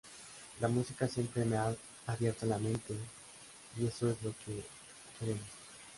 La música siempre me ha abierto la mente— y eso es lo que queremos".